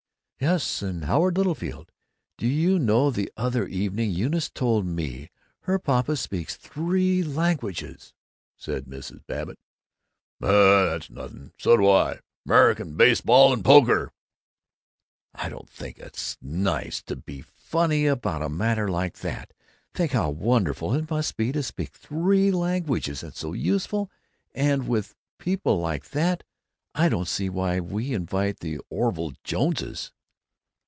"Yes, and Howard Littlefield. Do you know, the other evening Eunice told me her papa speaks three languages!" said Mrs. Babbitt. "Huh! That's nothing! So do I American, baseball, and poker!" "I don't think it's nice to be funny about a matter like that. Think how wonderful it must be to speak three languages, and so useful and And with people like that, I don't see why we invite the Orville Joneses."